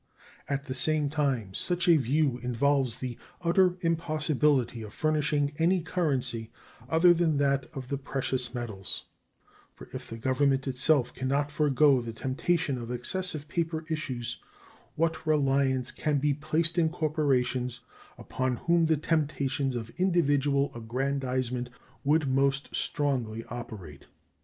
At the same time, such a view involves the utter impossibility of furnishing any currency other than that of the precious metals; for if the Government itself can not forego the temptation of excessive paper issues what reliance can be placed in corporations upon whom the temptations of individual aggrandizement would most strongly operate?